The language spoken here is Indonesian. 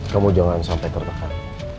kamu jangan sampai tertekan